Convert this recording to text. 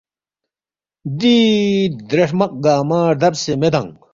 دی درے ہرمق گنگمہ ردبسے میدانگ